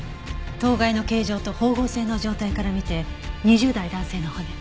頭蓋の形状と縫合線の状態から見て２０代男性の骨。